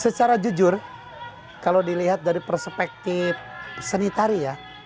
secara jujur kalau dilihat dari perspektif seni tari ya